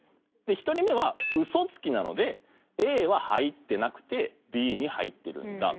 １人目はウソつきなのでＡは入ってなくてＢに入ってるんだと。